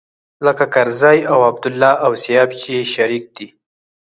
لکه کرزی او عبدالله او سياف چې شريک دی.